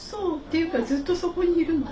ていうかずっとそこにいるの。